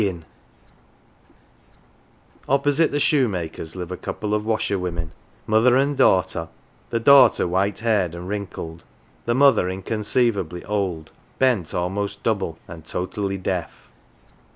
225 p HERE AND THERE Opposite the shoemaker's live a couple of washerwomen mother and daughter the daughter white haired and wrinkled, the mother inconceivably old, bent almost double, and totally deaf.